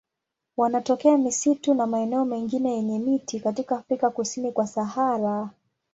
Wanatokea misitu na maeneo mengine yenye miti katika Afrika kusini kwa Sahara.